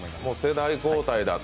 世代交代だと。